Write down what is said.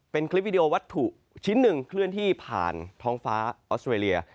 เป็นคลิปวิดีโอวัตถุชิ้นหนึ่งเคลื่อนที่ผ่านท้องฟ้าออสเตรเลีย